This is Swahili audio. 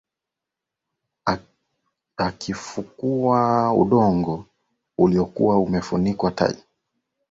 akifukua udongo uliokuwa umefunika utajiri wa historia ya visiwa hivyo